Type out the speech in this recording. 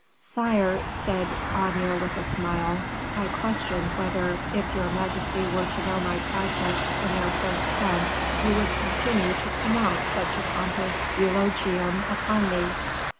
"Sire," said Aignan, with a smile, "I question whether, if your majesty were to know my projects in their full extent, you would continue to pronounce such a pompous eulogium upon me.